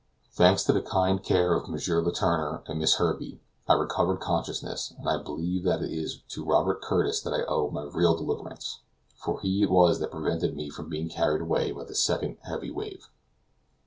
Thanks to the kind care of M. Letourneur and Miss Herbey, I recovered consciousness, but I believe that it is to Robert Curtis that I owe my real deliverance, for he it was that prevented me from being carried away by a second heavy wave.